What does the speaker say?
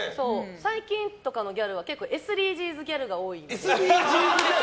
最近とかのギャルはＳＤＧｓギャルが多い。